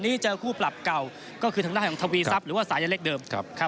แล้วเจอคู่ปรับเก่าก็คือทางหน้าของทวีซับหรือว่าสายาเล็กเดิม